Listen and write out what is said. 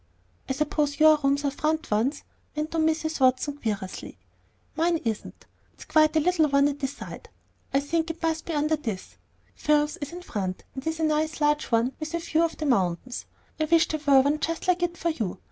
"I suppose your rooms are front ones?" went on Mrs. Watson, querulously. "Mine isn't. It's quite a little one at the side. I think it must be just under this. Phil's is in front, and is a nice large one with a view of the mountains. I wish there were one just like it for you.